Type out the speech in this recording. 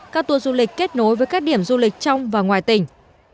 các tour du lịch kết nối với các điểm du lịch trong và ngoài tỉnh